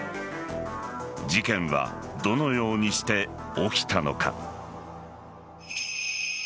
事件はどのようにして起きたのか。